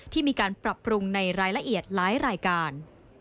ที่มีการปรับปรุงในรายละเอียดหลายรายการ